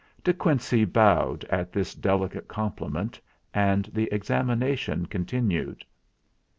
De Quincey bowed at this delicate compli ment, and the examination continued.